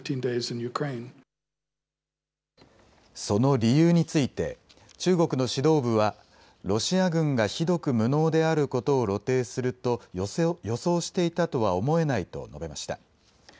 その理由について中国の指導部はロシア軍がひどく無能であることを露呈すると予想していたとは思えないと述べました。